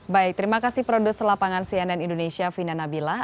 baik terima kasih produser lapangan cnn indonesia fina nabilah